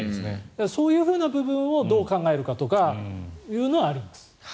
そういうふうな部分をどう考えるかというのはあります。